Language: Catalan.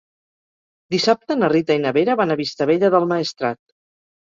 Dissabte na Rita i na Vera van a Vistabella del Maestrat.